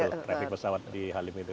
betul traffic pesawat di halim itu